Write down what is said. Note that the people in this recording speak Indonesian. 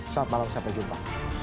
selamat malam sampai jumpa